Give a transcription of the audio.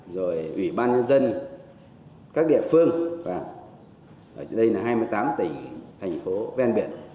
rồi ủy ban nhân dân các địa phương ở đây là hai mươi tám tỉnh thành phố ven biển